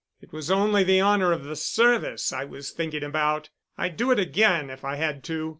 It was only the honor of the service I was thinking about. I'd do it again if I had to.